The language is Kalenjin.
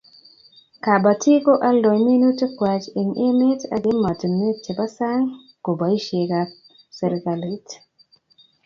Kabatik ko aldoi minutik kwaieng' emet ak ematinwek che bo sang ko boishetab serikalit